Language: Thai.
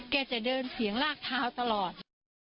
จะเดินเสียงลากเท้าตลอด